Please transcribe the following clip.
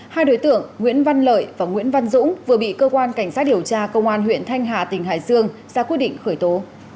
hai đối tượng nguyễn văn lợi và nguyễn văn dũng vừa bị cơ quan cảnh sát điều tra công an huyện thanh hà tỉnh hải dương ra quyết định khởi tố